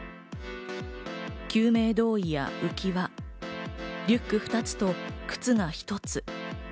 救命胴衣や浮き輪、リュック２つと靴が１つ。